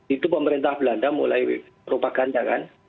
itu pemerintah belanda mulai propaganda kan